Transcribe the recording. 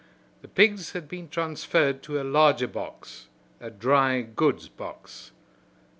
The pigs had been transferred to a larger box a dry goods box.